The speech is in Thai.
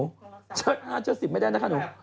วันสี่ไม่ได้นะข้างหนู